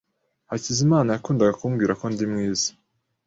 Hakizimana yakundaga kumbwira ko ndi mwiza.